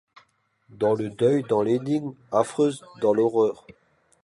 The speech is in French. Dans le deuil, dans l’énigme affreuse, dans l’horreur ;